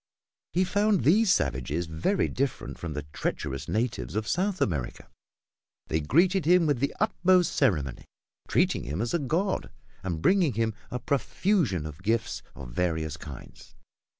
He found these savages very different from the treacherous natives of South America. They greeted him with the utmost ceremony, treating him as a god and bringing him a profusion of gifts of various kinds.